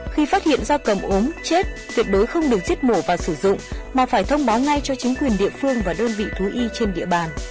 khi phát hiện da cầm ốm chết tuyệt đối không được giết mổ và sử dụng mà phải thông báo ngay cho chính quyền địa phương và đơn vị thú y trên địa bàn